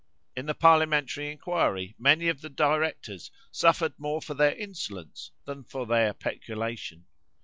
In the parliamentary inquiry, many of the directors suffered more for their insolence than for their peculation.